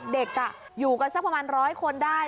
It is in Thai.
เด็กอยู่กันสักประมาณ๑๐๐คนได้